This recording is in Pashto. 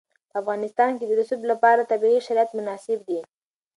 په افغانستان کې د رسوب لپاره طبیعي شرایط مناسب دي.